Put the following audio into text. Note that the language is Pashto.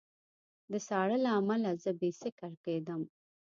د ساړه له امله زه بې سېکه کېدم